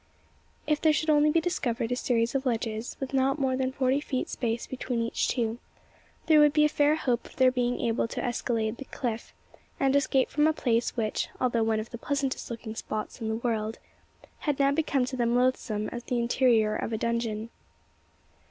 If there should only be discovered a series of ledges, with not more than forty feet space between each two, there would be a fair hope of their being able to escalade the cliff, and escape from a place which, although one of the pleasantest looking spots in the world, had now become to them loathsome as the interior of a dungeon.